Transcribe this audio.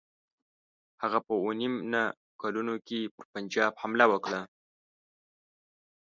هغه په اووه نیم نه کلونو کې پر پنجاب حمله وکړه.